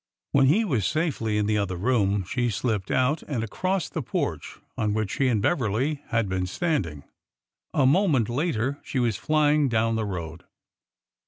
When he was safely in the other room, she slipped out, and across the porch on which she and Beverly had been standing. A moment later she was flying down the road.